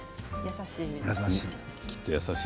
優しい。